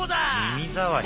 耳障り。